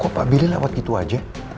kok pak bili lewat gitu aja